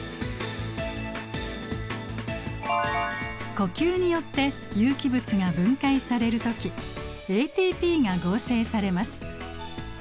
呼吸によって有機物が分解される時ＡＴＰが合成されます。